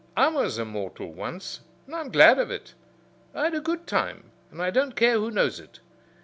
I was a mortal once, and I'm glad of it. I had a good time, and I don't care who knows it.